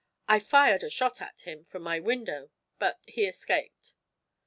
"I fired a shot at him, from my window, but he escaped."